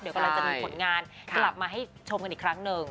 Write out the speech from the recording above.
เดี๋ยวกำลังจะมีผลงานกลับมาให้ชมกันอีกครั้งหนึ่ง